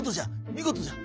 みごとじゃ！